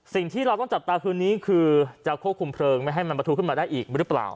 สิ่งที่เราต้องจับตาคืนนี้คือจะควบคุมเพลิงไม่ให้มันประทุขึ้นมาได้อีกหรือเปล่า